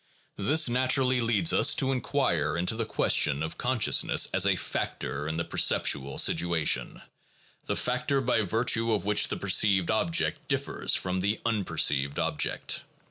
This naturally leads us to inquire into the question of con sciousness as a factor in the perceptual situation, the factor by virtue of which the perceived object differs from the unperceived object.